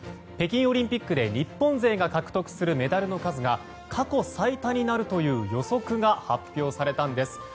北京オリンピックで日本勢が獲得するメダルの数が過去最多になるという予測が発表されたんです。